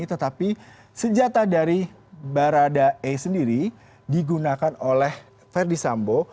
tetapi senjata dari barada e sendiri digunakan oleh verdi sambo